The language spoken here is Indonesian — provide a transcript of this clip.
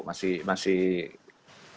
masih berjalan ya